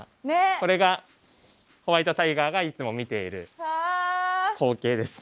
これがホワイトタイガーがいつも見ている光景ですね。